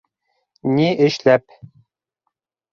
— Ни эшләп?